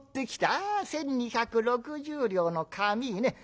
ああ１，２６０両の紙ね。